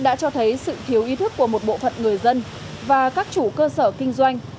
đã cho thấy sự thiếu ý thức của một bộ phận người dân và các chủ cơ sở kinh doanh